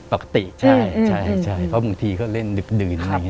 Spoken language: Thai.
ปกติใช่ใช่ใช่เพราะบางทีเขาเล่นดึกดื่น